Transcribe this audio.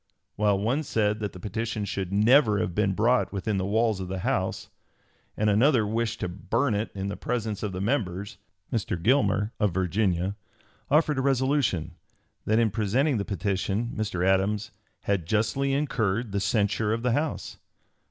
While one said that the petition should never have been brought within the walls of the House, and another wished to burn it in the presence of the members, Mr. Gilmer, of Virginia, offered a resolution, that in presenting the petition Mr. Adams "had justly incurred the censure of the House."